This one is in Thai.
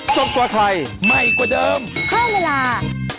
สวัสดีค่ะ